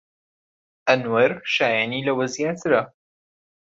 ئەنوەر شایەنی لەوە زیاترە.